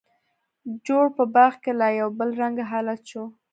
جوړ په باغ کې لا یو بل رنګه حالت شو.